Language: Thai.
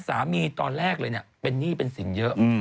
สามีตอนแรกเลยเนี่ยเป็นนี่เป็นสิ่งเยอะ